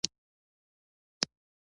امام صاحب ځنګلونه درلودل؟